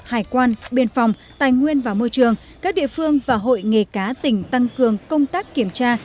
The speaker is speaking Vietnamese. hải quan biên phòng tài nguyên và môi trường các địa phương và hội nghề cá tỉnh tăng cường công tác kiểm tra